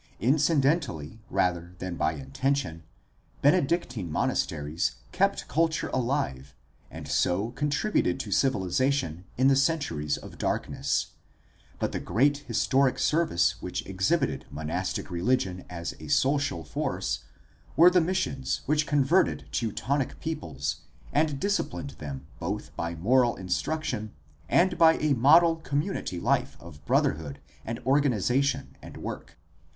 DEVELOPMENT OF THE CATHOLIC CHURCH 343 Incidentally rather than by intention Benedictine monasteries kept culture alive and so contributed to civilization in the centuries of darkness; but the great historic service which exhibited monastic religion as a social force were the missions which converted Teutonic peoples and disciplined them both by moral instruction and by a model community life of brotherhood and organization and work.